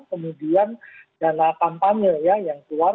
kemudian dana kampanye ya yang keluar